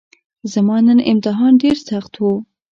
زما نن امتحان ډیرسخت وو